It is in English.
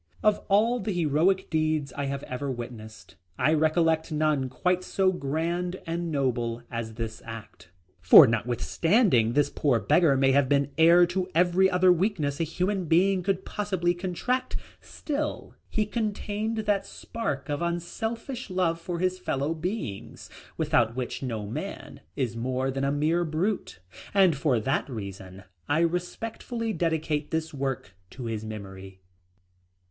Of all the heroic deeds I have ever witnessed, I recollect none quite so grand and noble as this act, for notwithstanding this poor beggar may have been heir to every other weakness a human being could possibly contract, still he contained that spark of unselfish love for his fellow beings, without which no man is more than a mere brute, and for that reason I respectfully dedicate this work to his memory.